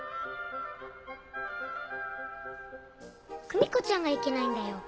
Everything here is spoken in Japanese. クミコちゃんがいけないんだよ。